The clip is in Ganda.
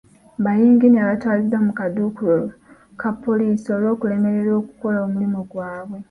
Bayinginiya batwaliddwa mu kaduukulu ka poliisi olw'okulemererwa okukola omulimu gwaabwe.